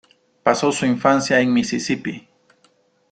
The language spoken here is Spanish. Pasó su infancia en Misisipi.